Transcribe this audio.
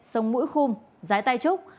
sông mũi khung dái tay trúc